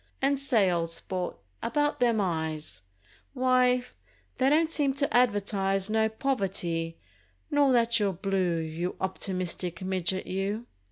And, say, old sport, about them eyes: Wye, they don't seem to advertise No poverty, nor that you're blue, You optimistic midget you!